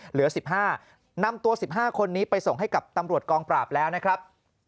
เหลือ๑๕นำตัว๑๕คนนี้ไปส่งให้กับตำรวจกองปราบแล้วนะครับ